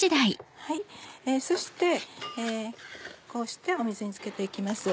そしてこうして水に漬けて行きます。